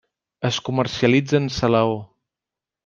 Es comercialitza en salaó.